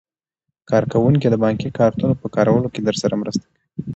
کارکوونکي د بانکي کارتونو په کارولو کې درسره مرسته کوي.